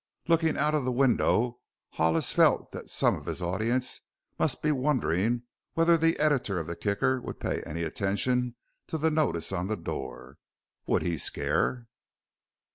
Looking out of the window Hollis felt that some of his audience must be wondering whether the editor of the Kicker would pay any attention to the notice on the door. Would he scare?